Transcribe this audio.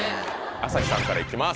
朝日さんから行きます